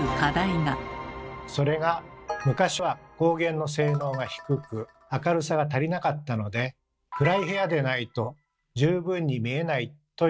それが昔は光源の性能が低く明るさが足りなかったので暗い部屋でないと十分に見えないという点です。